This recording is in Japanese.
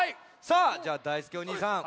さあじゃあだいすけお兄さん。